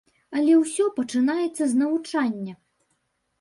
Але ўсё пачынаецца з навучання.